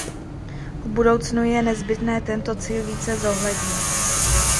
V budoucnu je nezbytné tento cíl více zohlednit.